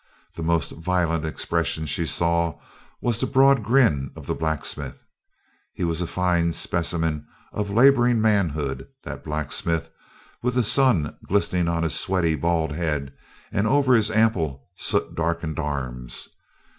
The most violent expression she saw was the broad grin of the blacksmith. He was a fine specimen of laboring manhood, that blacksmith, with the sun glistening on his sweaty bald head and over his ample, soot darkened arms.